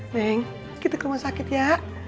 meng kita ke rumah sakit ya